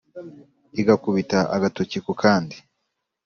igakubita agatoki ku kandi!